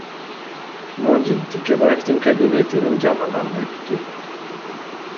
Модин Текебаевдин кабинетинин жанынан өттү.